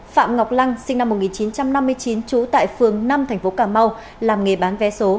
phạm ngọc lăng sinh năm một nghìn chín trăm năm mươi chín trú tại phường năm thành phố cà mau làm nghề bán vé số